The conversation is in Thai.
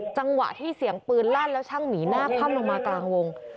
จังหวะที่เสียงปืนลั่นแล้วช่างหมีหน้าคว่ำลงมากลางวง